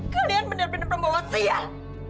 kalian bener bener pembawa sial